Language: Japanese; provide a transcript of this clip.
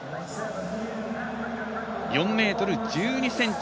４ｍ１２ｃｍ。